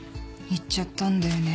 言っちゃったんだよね